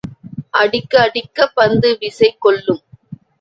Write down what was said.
அடிக்க அடிக்கப் பந்து விசை கொள்ளும்.